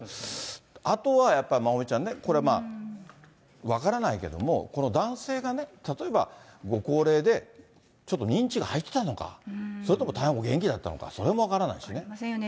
あとはやっぱり、まおみちゃんね、これ、分からないけども、この男性が、例えばご高齢で、ちょっと認知が入ってたのか、それとも大変お元気だったのか、それも分からないしね。